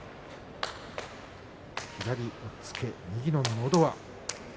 左押っつけ、右ののど輪。